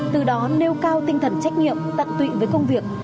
từ đó nêu cao tinh thần trách nhiệm tận tụy với công việc